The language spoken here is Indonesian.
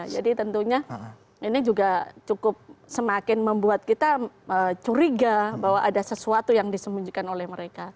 jadi tentunya ini juga cukup semakin membuat kita curiga bahwa ada sesuatu yang disembunyikan oleh mereka